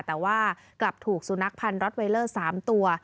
แต่ว่ากลับถูกสุนัขพันธ็ตไวเลอร์๓ตัว